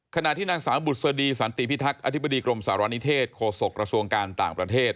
ขณะที่นางสาวบุษดีสันติพิทักษ์อธิบดีกรมสารณิเทศโฆษกระทรวงการต่างประเทศ